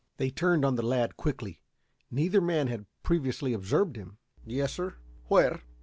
They turned on the lad quickly. Neither man had previously observed him. "Yes, sir." "Where?"